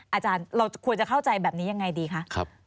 อาจารย์เราควรจะเข้าใจแบบนี้ยังไงดีคะ